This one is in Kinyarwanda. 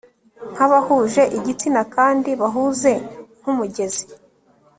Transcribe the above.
Nkabahuje igitsina kandi bahuze nkumugezi